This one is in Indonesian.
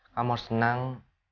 kamu harus tenang